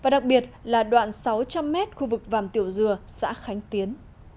đặc biệt là đoạn sáu trăm linh m khu vực vàm tiểu dừa xã khánh tiến